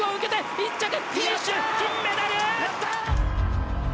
１着フィニッシュ、金メダル！